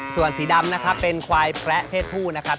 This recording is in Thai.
ส่วนสีดำนะครับเป็นควายแประเพศผู้นะครับ